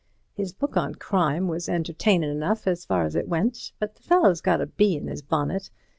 His book on Crime was entertainin' enough as far as it went, but the fellow's got a bee in his bonnet.